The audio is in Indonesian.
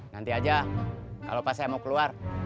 nanti aja kalau pas saya mau keluar